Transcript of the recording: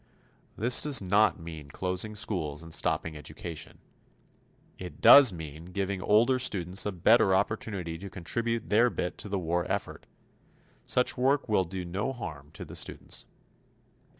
This does not mean closing schools and stopping education. It does mean giving older students a better opportunity to contribute their bit to the war effort. Such work will do no harm to the students.